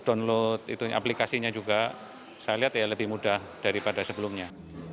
download itu aplikasinya juga saya lihat ya lebih mudah daripada sebelumnya